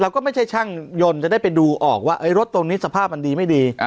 ไม่ใช่ช่างยนต์จะได้ไปดูออกว่ารถตรงนี้สภาพมันดีไม่ดี